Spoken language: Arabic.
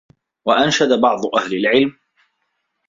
وَأَنْشَدَ بَعْضُ أَهْلِ الْعِلْمِ